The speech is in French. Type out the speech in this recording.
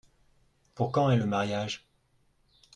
Pour quand est le mariage ?